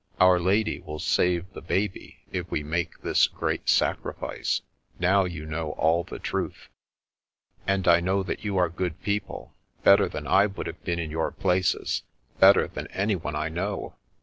Our Lady will save the baby if we make this great sacrifice. Now you know all the truth." " And I know that you are good people — ^better than I would have been in your places — ^better than anyone I know.